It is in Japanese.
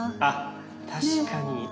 あ確かに。